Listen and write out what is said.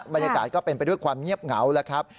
บรรยากาศก็เป็นไปด้วยความเงียบเหงาแล้วครับ